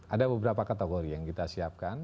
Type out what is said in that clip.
ada beberapa kategori yang kita siapkan